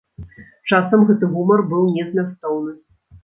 Часам гэты гумар быў незмястоўны.